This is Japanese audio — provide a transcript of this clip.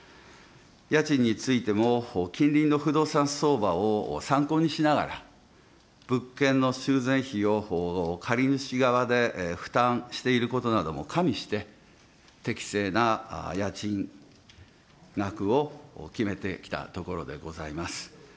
家賃についても、近隣の不動産相場を参考にしながら、物件の修繕費を借り主側で負担していることなども加味して、適正な家賃額を決めてきたところでございます。